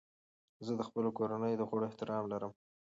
زه د خپلو کورنیو د غړو احترام لرم.